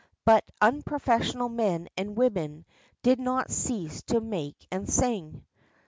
But unprofessional men and women did not cease to make and sing.